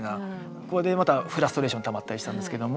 これでまたフラストレーションたまったりしたんですけども。